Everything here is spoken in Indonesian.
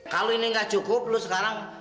kalo ini nggak cukup lu sekarang